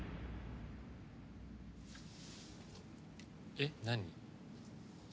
えっ何？